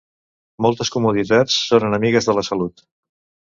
Moltes comoditats són enemigues de la salut.